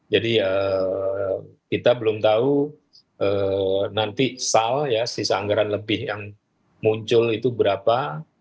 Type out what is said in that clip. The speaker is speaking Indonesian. jadi kita belum tahu nanti nomenklaturnya masih bisa